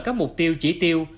các mục tiêu chỉ tiêu